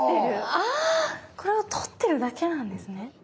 これを取ってるだけなんですね。